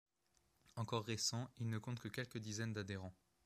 Encore récent, il ne compte que quelques dizaines d'adhérents.